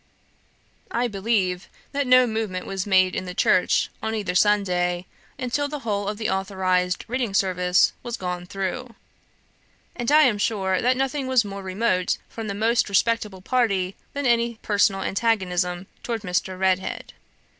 I believe that no movement was made in the church on either Sunday, until the whole of the authorised reading service was gone through, and I am sure that nothing was more remote from the more respectable party than any personal antagonism toward Mr. Redhead.